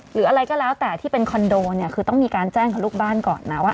หรืออะไรก็แล้วแต่ที่เป็นคอนโดเนี่ยคือต้องมีการแจ้งกับลูกบ้านก่อนนะว่า